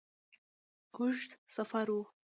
اوږد سفر وو.